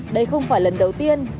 đây không phải lần đầu tiên